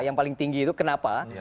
yang paling tinggi itu kenapa